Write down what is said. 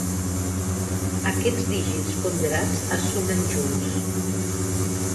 Aquests dígits ponderats es sumen junts.